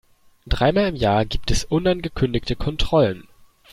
Dreimal im Jahr gibt es unangekündigte Kontrollen.